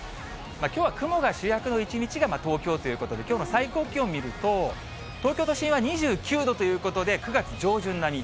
きょうは雲が主役の一日が東京ということで、きょうの最高気温見ると、東京都心は２９度ということで、９月上旬並み。